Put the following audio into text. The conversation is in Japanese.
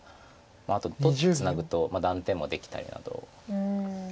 あとツナぐと断点もできたりなど。